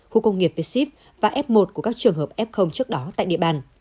khu công nghiệp với sip và f một của các trường hợp f trước đó tại địa bàn